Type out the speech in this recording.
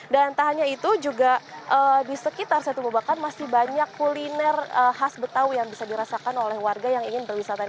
dan tak hanya itu juga di sekitar setu bubakan masih banyak kuliner khas betawi yang bisa dirasakan oleh warga yang ingin berwisata di sini